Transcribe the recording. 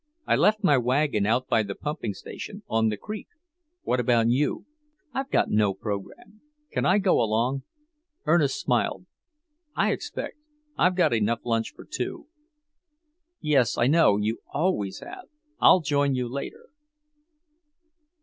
I left my wagon out by the pumping station, on the creek. What about you?" "I've got no program. Can I go along?" Ernest smiled. "I expect. I've got enough lunch for two." "Yes, I know. You always have. I'll join you later."